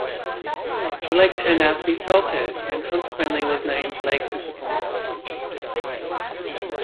The lake turned out to be salted, and consequently was named Lake Disappointment.